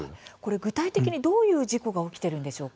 具体的にどういう事故が起きているんでしょうか。